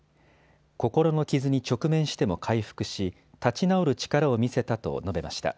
心の傷に直面しても回復し立ち直る力を見せたと述べました。